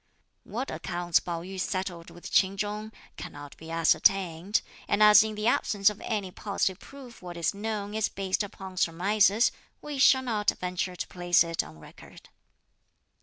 What accounts Pao yü settled with Ch'in Chung cannot be ascertained; and as in the absence of any positive proof what is known is based upon surmises, we shall not venture to place it on record.